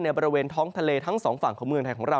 บริเวณท้องทะเลทั้งสองฝั่งของเมืองไทยของเรา